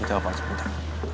gitu apaan sebentar